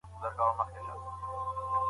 مرکزي کتابتون بې پوښتني نه منل کیږي.